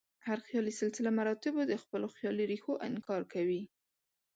هر خیالي سلسله مراتبو د خپلو خیالي ریښو انکار کوي.